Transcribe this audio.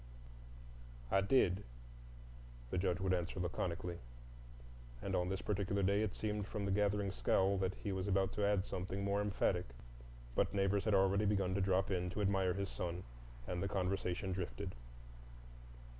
"I did," the Judge would answer laconically; and on this particular day it seemed from the gathering scowl that he was about to add something more emphatic, but neighbors had already begun to drop in to admire his son, and the conversation drifted.